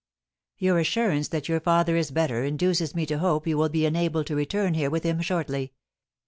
Your assurance that your father is better induces me to hope you will be enabled to return here with him shortly.